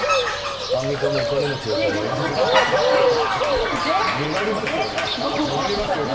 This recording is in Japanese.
アンミカもお金持ちだと思いますけど。